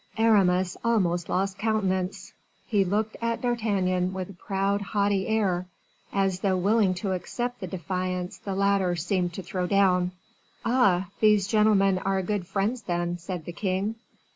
Aramis almost lost countenance. He looked at D'Artagnan with a proud, haughty air, as though willing to accept the defiance the latter seemed to throw down. "Ah! these gentlemen are good friends, then?" said the king.